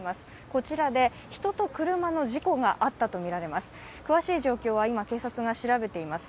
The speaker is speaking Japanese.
こちらで人と車の事故があったとみられています。